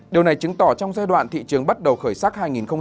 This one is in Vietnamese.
điều này chứng tỏ trong giai đoạn thị trường bắt đầu khởi sắc hai nghìn một mươi ba